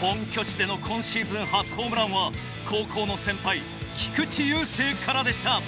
本拠地での今シーズン初ホームランは高校の先輩菊池雄星からでした。